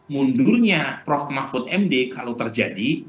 mundurnya prof mahfud md kalau terjadi